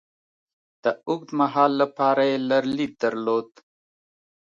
د اوږد مهال لپاره یې لرلید درلود.